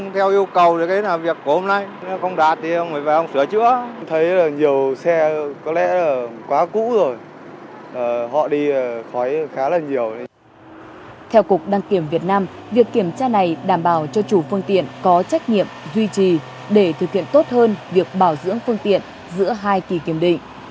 theo cục đăng kiểm việt nam việc kiểm tra này đảm bảo cho chủ phương tiện có trách nhiệm duy trì để thực hiện tốt hơn việc bảo dưỡng phương tiện giữa hai kỳ kiểm định